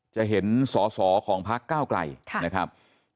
จะเห็นสอสอของพระเก้ากล่าย